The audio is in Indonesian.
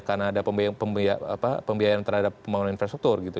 karena ada pembiayaan terhadap pembangunan infrastruktur gitu